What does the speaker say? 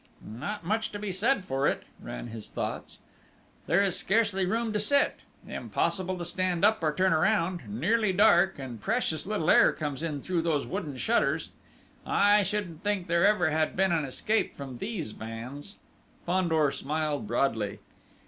"Not much to be said for it!" ran his thoughts. "There is scarcely room to sit ... impossible to stand up or turn around ... nearly dark ... and precious little air comes in through those wooden shutters!... I shouldn't think there ever had been an escape from these vans!..." Fandor smiled broadly.